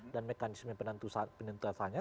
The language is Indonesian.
dan mekanisme penentuasanya